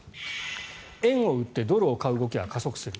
円を売ってドルを買う動きが加速する。